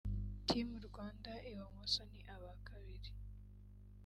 Team Rwanda (ibumoso) ni aba kabiri